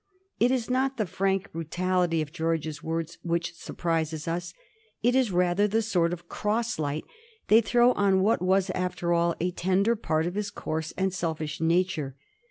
It is not the frank brutality of George's words which surprises us; it is rather the sort of cross light they throw on what was after all a tender part of his coarse and selfish nature.